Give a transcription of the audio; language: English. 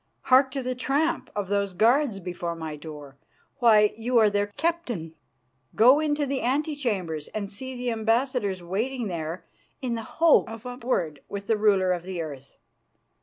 "Hark to the tramp of those guards before my door. Why, you are their captain. Go into the antechambers, and see the ambassadors waiting there in the hope of a word with the Ruler of the Earth!